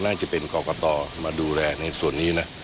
น่าจะเป็นกรกตมาดูแลในส่วนนี้นะ